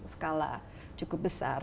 skala cukup besar